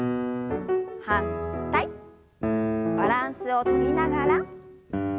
バランスをとりながら。